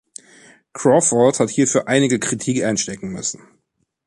Crawford hat hierfür einige Kritik einstecken müssen.